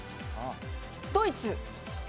ドイツ。